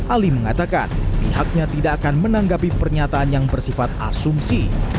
ali mengatakan pihaknya tidak akan menanggapi pernyataan yang bersifat asumsi